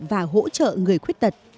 và hỗ trợ người khuyết tật